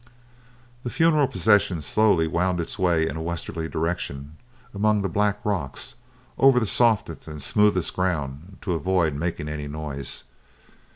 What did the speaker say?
The funeral procession slowly wound its way in a westerly direction among the black rocks over the softest and smoothest ground to avoid making any noise.